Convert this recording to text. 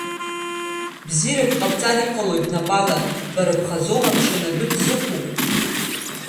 Бзиарак ҟабҵар иҟалои бнапала, бара бхазоума бшаны адәы бзықәу?